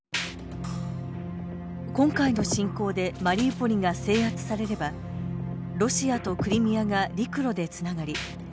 今回の侵攻でマリウポリが制圧されればロシアとクリミアが陸路でつながり